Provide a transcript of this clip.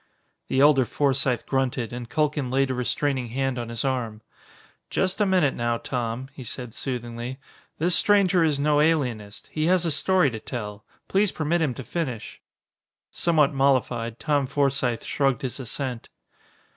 The elder Forsythe grunted, and Culkin laid a restraining hand on his arm. "Just a minute now, Tom," he said soothingly. "This stranger is no alienist. He has a story to tell. Please permit him to finish." Somewhat mollified, Tom Forsythe shrugged his assent.